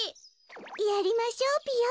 やりましょうぴよ。